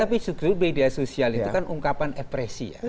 tapi sejujurnya media sosial itu kan ungkapan ekspresi